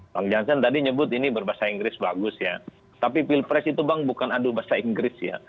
bang jansen tadi nyebut ini berbahasa inggris bagus ya tapi pilpres itu bang bukan adu bahasa inggris ya